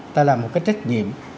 ta làm một cái trách nhiệm